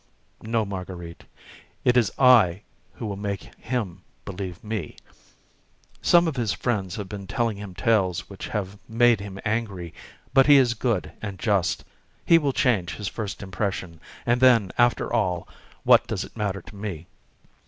"No, Marguerite. It is I who will make him believe me. Some of his friends have been telling him tales which have made him angry; but he is good and just, he will change his first impression; and then, after all, what does it matter to me?"